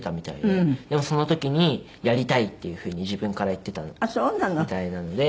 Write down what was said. でもその時に「やりたい」っていうふうに自分から言っていたみたいなので。